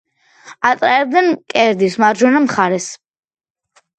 ატარებდნენ მკერდის მარჯვენა მხარეს.